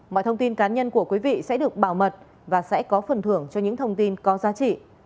mọi thông tin cá nhân của quý vị sẽ được bảo mật và sẽ có phần thưởng cho những thông tin có giá trị